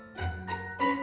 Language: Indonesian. emangnya seyado kira kenapa